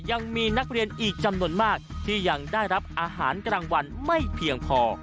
ยังมีนักเรียนอีกจำนวนมากที่ยังได้รับอาหารกลางวันไม่เพียงพอ